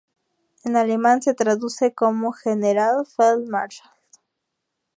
En alemán se traduce como "Generalfeldmarschall".